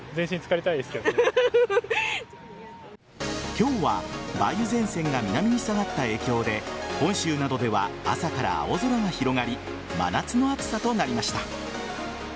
今日は梅雨前線が南に下がった影響で本州などでは朝から青空が広がり真夏の暑さとなりました。